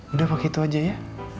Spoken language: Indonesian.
udah pakai itu aja ya